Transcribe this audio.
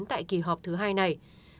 tại kỳ họp thứ hai này